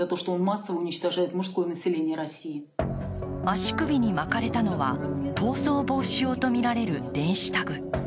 足首に巻かれたのは逃走防止用とみられる電子タグ。